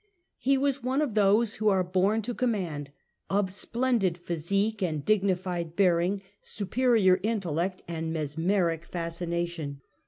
He was one of those who are born to com mand — of splendid physique and dignified bearing, superior intellect and mesmeric fascination.